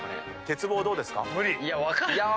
鉄棒どうですか？